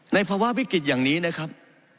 ภาวะวิกฤตอย่างนี้นะครับ